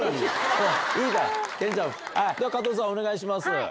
加藤さんお願いします。